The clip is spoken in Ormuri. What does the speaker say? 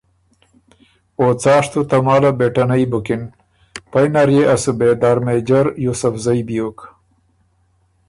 او څاسشتُو تماله بېټنئ بُکِن، پئ نر يې ا صوبېدار مېجر یوسفزئ بیوک